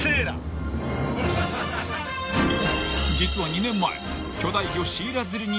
［実は２年前］